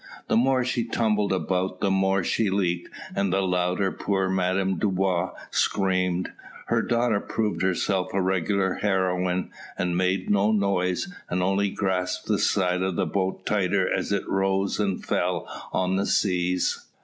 The more she tumbled about the more she leaked, and the louder poor Madame Dubois screamed. Her daughter proved herself a regular heroine, and made no noise, and only grasped the side of the boat tighter as it rose and fell on the seas.